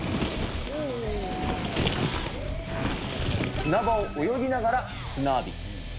砂場を泳ぎながら、砂浴び。